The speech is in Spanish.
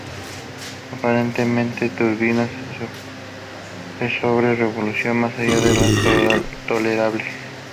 Aparentemente la turbina se sobre revolucionó más allá de lo tolerable.